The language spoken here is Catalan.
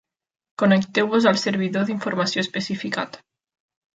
Connecteu-vos al servidor d'informació especificat.